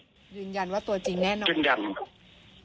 ยืนยันว่าตัวจริงแน่นอนยืนยันครับ